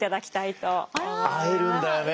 会えるんだよね